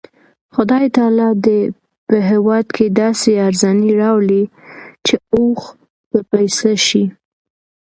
خدای تعالی دې په هېواد کې داسې ارزاني راولي چې اوښ په پیسه شي.